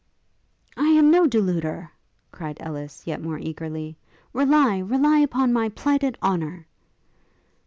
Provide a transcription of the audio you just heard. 'I am no deluder!' cried Ellis, yet more eagerly: 'Rely, rely upon my plighted honour!'